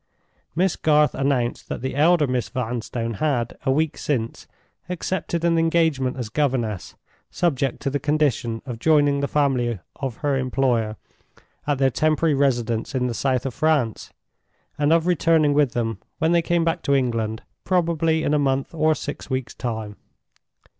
Miss Garth announced that the elder Miss Vanstone had, a week since, accepted an engagement as governess, subject to the condition of joining the family of her employer at their temporary residence in the south of France, and of returning with them when they came back to England, probably in a month or six weeks' time.